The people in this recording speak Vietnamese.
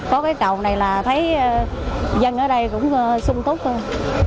có cái cầu này là thấy dân ở đây cũng sung túc hơn